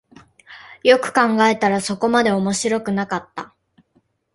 よく考えたらそこまで面白くなかった